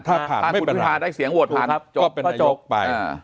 ถ้าผ่านไม่เป็นไร